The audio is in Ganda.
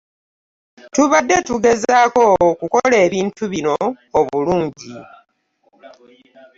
Tubade tugezezaako okukola ebintu bino obulungi.